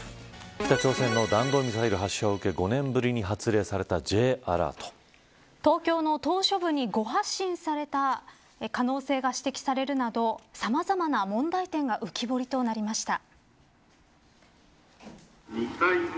北朝鮮の弾道ミサイル発射を受け５年ぶりに発令された東京の島しょ部に誤発信された可能性が指摘されるなどさまざまな問題点が浮き彫りとなりました。